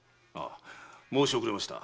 申し遅れました。